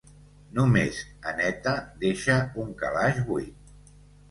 Només “eneta” deixa un calaix buit.